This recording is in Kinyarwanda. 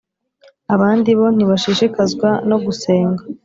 Abandi bo ntibashishikazwa no gusenga